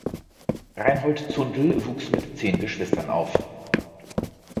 Reinhold Zundel wuchs mit zehn Geschwistern auf.